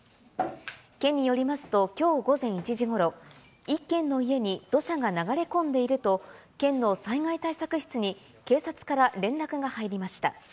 県によりますと、きょう午前１時ごろ、１軒の家に土砂が流れ込んでいると、県の災害対策室に警察から連絡が入りました。